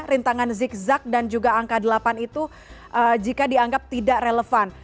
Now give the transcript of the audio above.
rintangan zigzag dan juga angka delapan itu jika dianggap tidak relevan